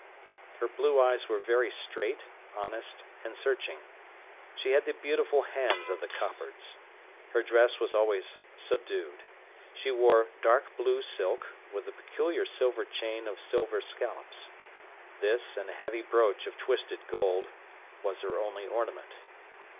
Her blue eyes were very straight, honest, and searching. She had the beautiful hands of the Coppards. Her dress was always subdued. She wore dark blue silk, with a peculiar silver chain of silver scallops. This, and a heavy brooch of twisted gold, was her only ornament.